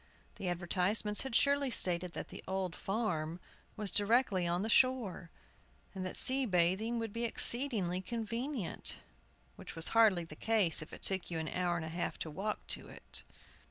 The advertisements had surely stated that the "Old Farm" was directly on the shore, and that sea bathing would be exceedingly convenient; which was hardly the case if it took you an hour and a half to walk to it.